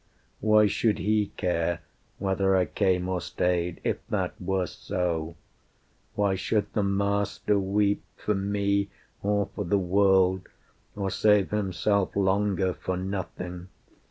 Why should He care whether I came or stayed, If that were so? Why should the Master weep For me, or for the world, or save Himself Longer for nothing?